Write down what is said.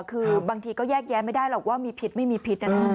คือบางทีก็แยกแยะไม่ได้หรอกว่ามีผิดไม่มีผิด